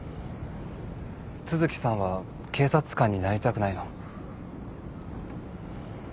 都築さんは警察官になりたくないの？